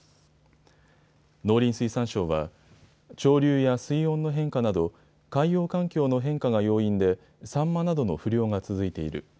農林水産省は潮流や水温の変化など海洋環境の変化が要因でサンマなどの不漁が続いている。